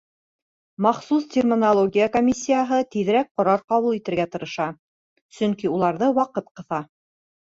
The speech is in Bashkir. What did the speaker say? Махсус терминология комиссияһы тиҙерәк ҡарар ҡабул итергә тырыша, сөнки уларҙы ваҡыт ҡыҫа.